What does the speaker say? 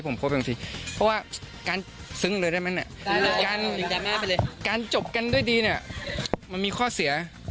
มันมีข้อเสีย